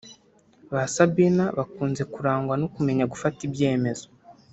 Ba Sabin bakunze kurangwa no kumenya gufata ibyemezo